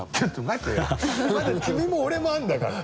まだ君も俺もあんだから。